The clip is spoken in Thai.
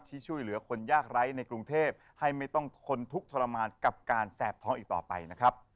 ที่ช่วยเหลือคนยากไร้ในกรุงเทพให้ไม่ต้องทนทุกข์ทรมานกับการแสบท้องอีกต่อไปนะครับ